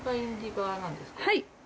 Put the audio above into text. はい。